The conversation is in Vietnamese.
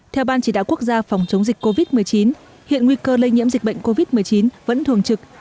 theo ban chỉ đạo quốc gia phòng chống dịch covid một mươi chín hiện nguy cơ lây nhiễm dịch bệnh covid một mươi chín vẫn thường trực